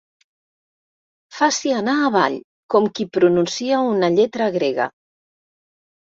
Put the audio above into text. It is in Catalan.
Faci anar avall, com qui pronuncia una lletra grega.